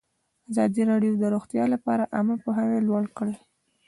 ازادي راډیو د روغتیا لپاره عامه پوهاوي لوړ کړی.